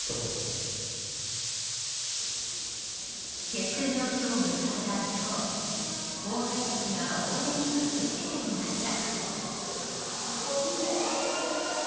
決戦の日を迎えた今日後輩たちが応援に駆けつけていました。